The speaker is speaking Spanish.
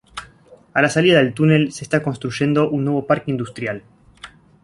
A la salida del túnel se está construyendo un nuevo parque industrial.